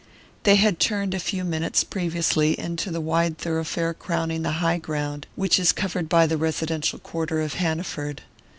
They had turned a few minutes previously into the wide thoroughfare crowning the high ground which is covered by the residential quarter of Hanaford.